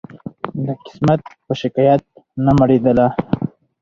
د قسمت په شکایت نه مړېدله